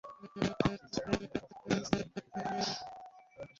তুমি আল্লাহর কাছে দোয়া চাও।